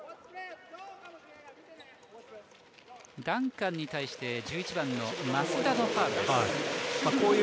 ダンカンに対して１１番の増田のファウルです。